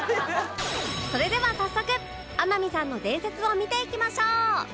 それでは早速天海さんの伝説を見ていきましょう